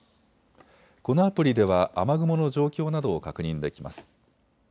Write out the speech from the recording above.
このアプリでは雨雲の状況などを確認できます。